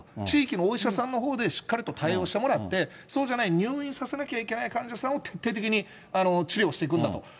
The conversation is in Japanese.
地域のお医者さんのほうでしっかりと対応してもらって、そうじゃない入院させなきゃいけない患者さんを徹底的に治療していくんだと。